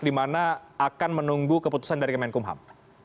di mana akan menunggu keputusan dari kemenkumham